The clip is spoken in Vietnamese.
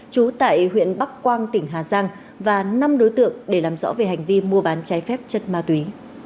trú tại huyện bắc quang tỉnh hà giang và năm đối tượng để làm rõ về hành vi mua bán trái phép chất ma túy